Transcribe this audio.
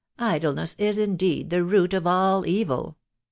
Idleness is indeed the root of all evil."